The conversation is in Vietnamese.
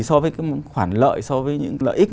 so với khoản lợi so với những lợi ích